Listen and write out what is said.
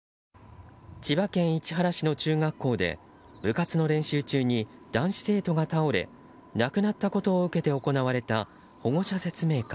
千葉県市原市の中学校で部活の練習中に男子生徒が倒れ亡くなったことを受けて行われた保護者説明会。